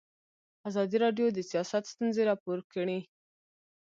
ازادي راډیو د سیاست ستونزې راپور کړي.